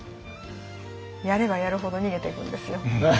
やればやるほど逃げていくんですよ